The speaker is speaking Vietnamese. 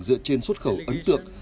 dựa trên xuất khẩu ấn tượng